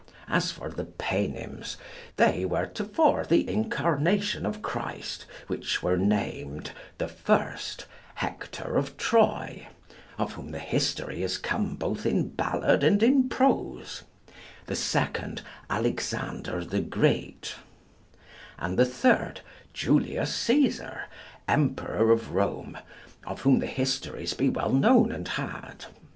As for the Paynims, they were to fore the Incarnation of Christ, which were named the first, Hector of Troy, of whom the history is come both in ballad and in prose the second, Alexander the Great; and the third, Julius Cæsar, Emperor of Rome, of whom the histories be well known and had.